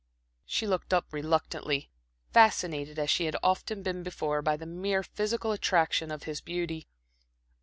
She looked up reluctantly, fascinated as she had often been before, by the mere physical attraction of his beauty.